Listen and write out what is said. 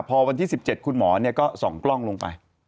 พอวันที่๑๗คุณหมอก็ส่องกล้องลงไป